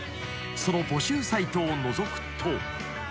［その募集サイトをのぞくと］